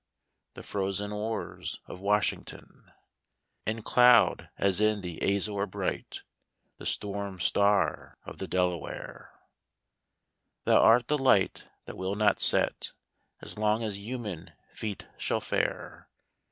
The frozen oars of Washington, In cloud as in the azure bright. The storm star of the Delaware, Thou art the Light that will not set As long as human feet shall fare!